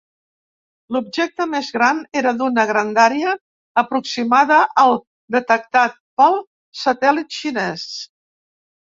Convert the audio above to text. L'objecte més gran era d'una grandària aproximada al detectat pel satèl·lit xinès.